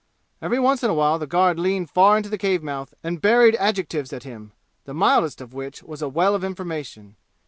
Every once in a while the guard leaned far into the cave mouth and hurled adjectives at him, the mildest of which was a well of information.